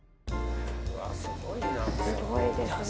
すごいですね